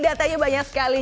datanya banyak sekali